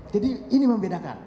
jadi ini membedakan